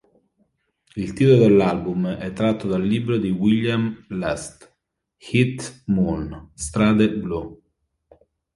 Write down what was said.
Il titolo dell'album è tratto dal libro di William Least Heat-Moon "Strade blu.